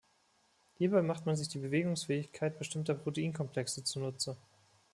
Hierbei macht man sich die Bewegungsfähigkeit bestimmter Proteinkomplexe zu Nutze.